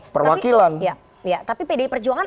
perwakilan tapi pd perjuangan